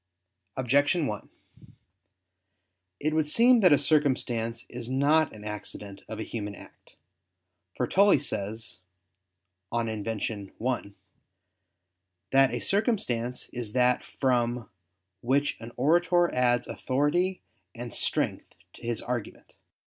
Objection 1: It would seem that a circumstance is not an accident of a human act. For Tully says (De Invent. Rhetor. i) that a circumstance is that from "which an orator adds authority and strength to his argument."